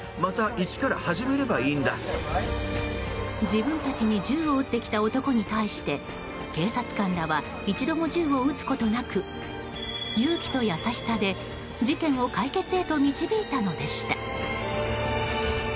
自分たちに銃を撃ってきた男に対して警察官らは一度も銃を撃つことなく勇気と優しさで事件を解決へと導いたのでした。